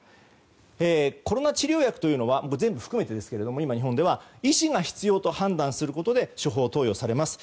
コロナ治療薬というのは全部含めてですけれども今、日本では医師が必要と判断することで処方・投与されます。